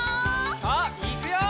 さあいくよ！